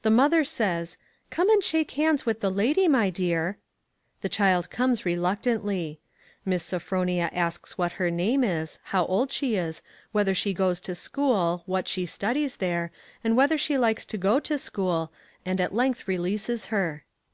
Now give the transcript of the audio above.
The mother says, "Come and shake hands with the lady, my dear!" The child comes reluctantly. Miss Sophronia asks what her name is, how old she is, whether she goes to school, what she studies there, and whether she likes to go to school, and at length releases her.